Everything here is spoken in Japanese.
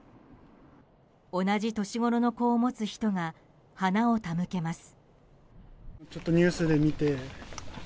同じ年頃の子を持つ人が花を手向けます。